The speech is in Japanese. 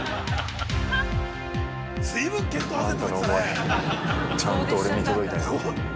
あんたの思いちゃんと俺に届いたよ。